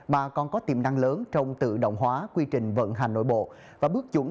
mà còn có tiềm năng lớn trong tự động hóa quy trình vận hành nội bộ